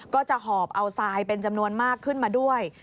ก็จะหอบเอาทรายเป็นจำนวนมากขึ้นมาด้วย